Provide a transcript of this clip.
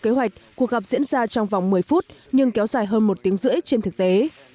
kế hoạch cuộc gặp diễn ra trong vòng một mươi phút nhưng kéo dài hơn một tiếng rưỡi trên thực tế